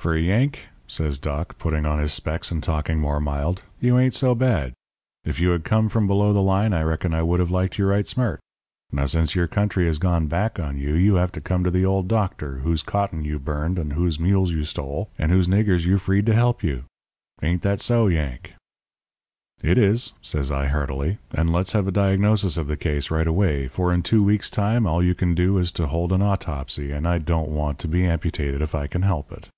"'For a Yank,' says Doc, putting on his specs and talking more mild, 'you ain't so bad. If you had come from below the line I reckon I would have liked you right smart. Now since your country has gone back on you, you have to come to the old doctor whose cotton you burned and whose mules who stole and whose niggers you freed to help you. Ain't that so, Yank?' "'It is,' says I heartily, 'and let's have a diagnosis of the case right away, for in two weeks' time all you can do is to hold an autopsy and I don't want to be amputated if I can help it.'